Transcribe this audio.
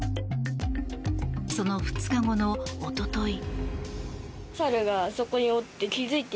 その２日後のおととい。